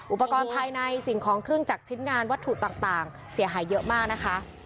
อุปกรณ์ภายในสิ่งของเครื่องจักรชิ้นงานวัตถุต่างเสียหายเยอะมากนะคะ